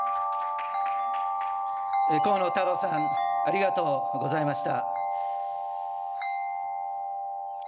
河野太郎さん、ありがとうございました。